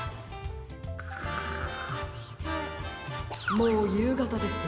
もうゆうがたです。